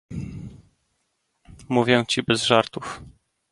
"Mówię ci bez żartów."